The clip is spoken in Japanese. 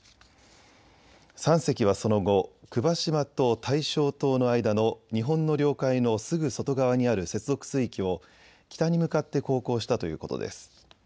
３隻はその後、久場島と大正島の間の日本の領海のすぐ外側にある接続水域を北に向かって航行したということです。